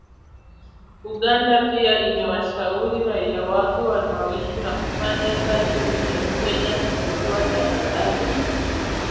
Uganda pia imewashauri raia wake wanaoishi na kufanya kazi nchini Kenya kuchukua tahadhari